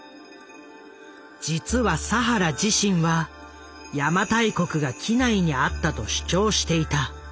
実は佐原自身は邪馬台国が畿内にあったと主張していた。